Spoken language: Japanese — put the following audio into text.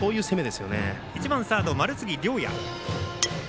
１番サード、丸次亮弥。